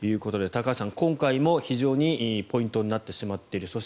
高橋さん、今回も非常にポイントになってしまっている。